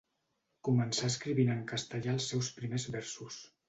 Començà escrivint en castellà els seus primers versos.